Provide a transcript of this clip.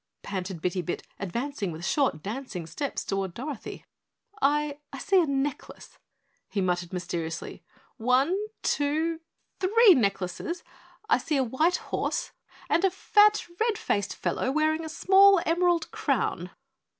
panted Bitty Bit, advancing with short dancing steps toward Dorothy. "I I see a necklace," he muttered mysteriously. "One two three necklaces! I see a white horse and a fat, red faced fellow wearing a small emerald crown.